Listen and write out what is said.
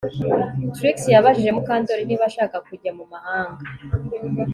Trix yabajije Mukandoli niba ashaka kujya mu mahanga